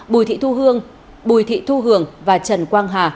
bùi thị thu hương bùi thị thu hường và trần quang hà